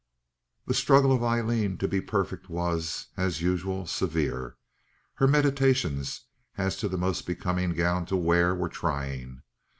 The struggle of Aileen to be perfect was, as usual, severe. Her meditations, as to the most becoming gown to wear were trying.